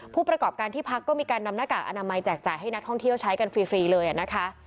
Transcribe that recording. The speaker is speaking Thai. ผู้ประกอบการที่พักก็มีการนำหน้ากากอนามัยแจกจ่ายให้นักท่องเที่ยวใช้กันฟรีเลยนะคะ